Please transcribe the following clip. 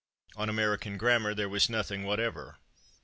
On American grammar there was nothing whatever.